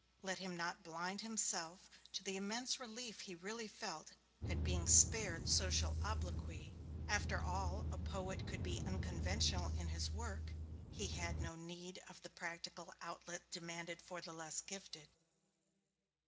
Let him not blind himself to the immense relief he really felt at being spared social obloquy. After all, a poet could be unconventional in his work he had no need of the practical outlet demanded for the less gifted.